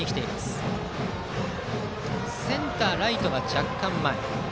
センター、ライトが若干前。